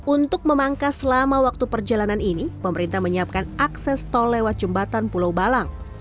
untuk memangkas selama waktu perjalanan ini pemerintah menyiapkan akses tol lewat jembatan pulau balang